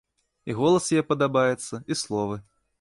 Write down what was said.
І голас яе падабаецца, і словы.